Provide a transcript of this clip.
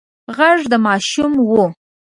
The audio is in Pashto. غږ د ماشوم و.